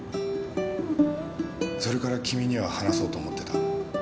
それから君には話そうと思ってた。